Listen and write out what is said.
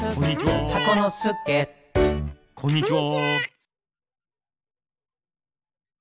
こんにちは！